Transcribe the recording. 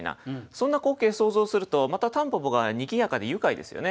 そんな光景想像するとまた蒲公英がにぎやかで愉快ですよね。